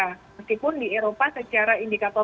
meskipun di eropa secara indikator